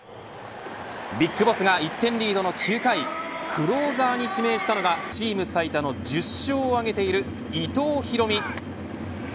ＢＩＧＢＯＳＳが１点リードの９回クローザーに指名したのがチーム最多の１０勝を挙げている伊藤大海。